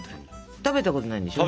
食べたことないんでしょ？